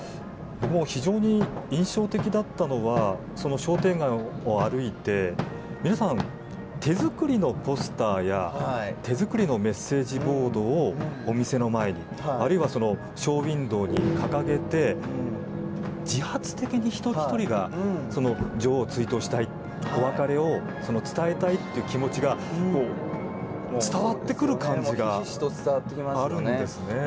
非常に印象的だったのが商店街を歩いて皆さん、手作りのポスターや手作りのメッセージボードをお店の前に、あるいはショーウインドーに掲げて自発的に一人一人が女王を追悼したいお別れを伝えたいという気持ちが伝わってくる感じがあるんですね。